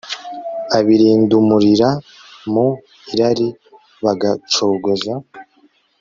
Abirundumurira mu irari bagacogoza